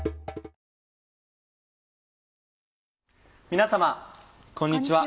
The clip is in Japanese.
皆様こんにちは。